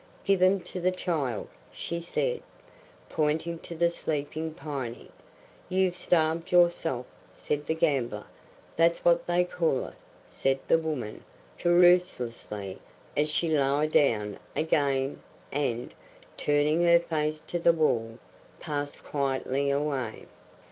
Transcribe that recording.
"Give 'em to the child," she said, pointing to the sleeping Piney. "You've starved yourself," said the gambler. "That's what they call it," said the woman, querulously, as she lay down again and, turning her face to the wall, passed quietly away.